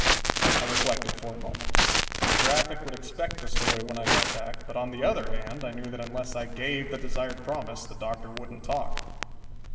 I reflected for a moment. The Graphic would expect the story when I got back, but on the other hand I knew that unless I gave the desired promise, the Doctor wouldn't talk.